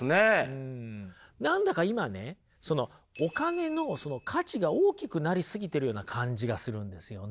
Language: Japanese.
うん何だか今ねそのお金の価値が大きくなりすぎているような感じがするんですよね。